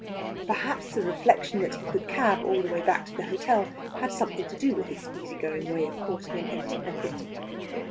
Perhaps the reflection that he could cab all the way back to the hotel had something to do with this easy going way of courting an empty pocket.